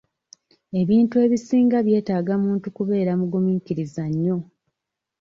Ebintu ebisinga byetaaga muntu kubeera mugumiikiriza nnyo.